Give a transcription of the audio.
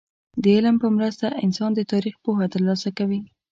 د علم په مرسته انسان د تاريخ پوهه ترلاسه کوي.